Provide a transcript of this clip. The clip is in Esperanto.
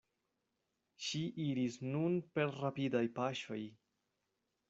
Ŝi iris nun per rapidaj paŝoj.